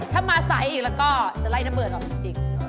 ถ้ามาสายอีกแล้วก็จะไล่นะเบิดออกจริง